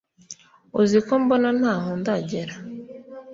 uziko mbona ntaho ndagera